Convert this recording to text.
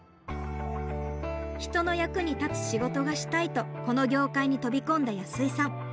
人の役に立つ仕事がしたいとこの業界に飛び込んだ安居さん。